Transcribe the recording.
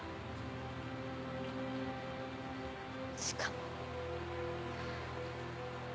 しかも。